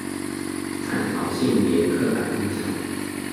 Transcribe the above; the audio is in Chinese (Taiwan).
探討性別刻板印象